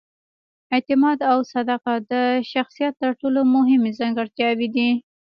اعتماد او صداقت د شخصیت تر ټولو مهمې ځانګړتیاوې دي.